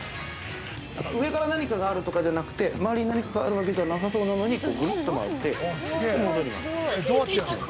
上から何かがあるとかじゃなくて周りに何かがあるわけじゃなさそうなのにぐるんと回って戻ります。